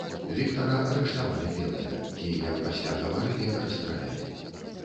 Віктара арыштавалі белыя і, як пасля гаварылі, расстралялі.